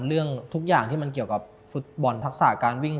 เรื่องทุกอย่างที่มันเกี่ยวกับฟุตบอลทักษะการวิ่ง